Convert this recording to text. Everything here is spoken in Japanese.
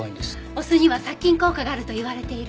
お酢には殺菌効果があると言われている。